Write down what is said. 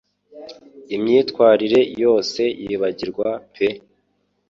Imyifatire yose yibagirwa pe